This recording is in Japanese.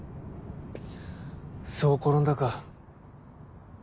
そう転んだか。